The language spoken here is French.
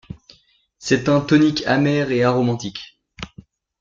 C'est un tonique amer et aromatique.